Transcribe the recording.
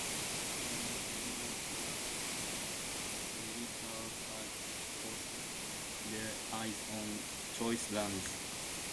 Many of General Clarke's militia had cast their eyes on choice lands.